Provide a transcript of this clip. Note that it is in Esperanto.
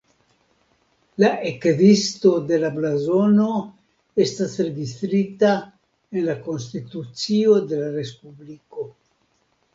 La ekzisto de la blazono estas registrita en la konstitucio de la respubliko.